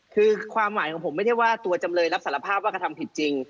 คือความหมายของผมไม่ได้ว่าตัวจำเลยรับสารภาพว่ากระทำผิดจริง